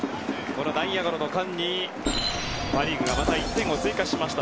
内野ゴロの間にパ・リーグがまた１点を追加しました。